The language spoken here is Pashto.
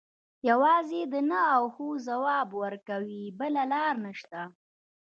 یوازې د نه او هو ځواب ورکړي بله لاره نشته.